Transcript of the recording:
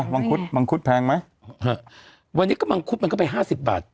มังคุดมังคุดแพงไหมเถอะวันนี้ก็มังคุดมันก็ไปห้าสิบบาท